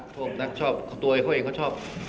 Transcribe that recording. พวกนักชอบตัวเองเขาชอบ